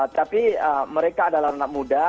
tapi mereka adalah anak muda